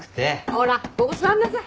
ほらここ座んなさい。